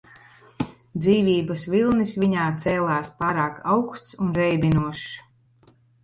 Dzīvības vilnis viņā cēlās pārāk augsts un reibinošs.